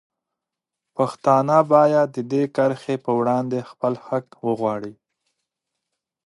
پښتانه باید د دې کرښې په وړاندې خپل حق وغواړي.